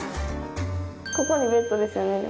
ここにベッドですよねでも。